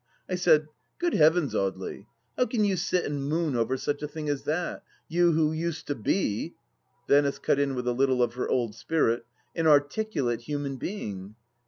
I said :" Good Heavens, Audely, how can you sit and moon over such a thing as that, you who used to be " Venice cut in with a little of her old spirit :" An articulate human being."